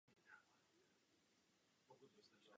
O této otázce jsme hovořili před několika měsíci.